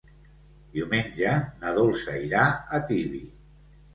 Diumenge na Dolça irà a Tibi.